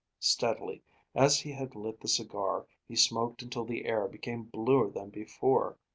Steadily, as he had lit the cigar, he smoked until the air became bluer than before.